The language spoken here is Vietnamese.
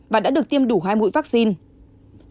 và đã được tiêm đủ hai mũi vaccine